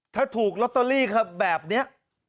ถ้าถูกลอตเตอรี่ครับแบบนี้